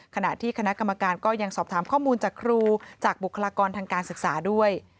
ขณะที่คณะกรรมการก็ยังสอบถามข้อมูลจากครูจากบุคลากรทางการศึกษาด้วย